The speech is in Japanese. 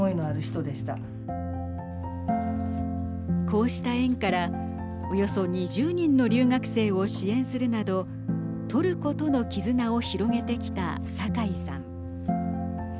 こうした縁からおよそ２０人の留学生を支援するなどトルコとの絆を広げてきた坂井さん。